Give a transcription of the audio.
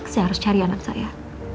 saya harus cari anak saya